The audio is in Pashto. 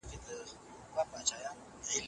له ځان سره په مینه خبري وکړئ.